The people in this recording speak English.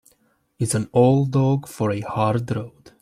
It's an old dog for a hard road.